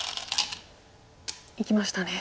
いきましたね。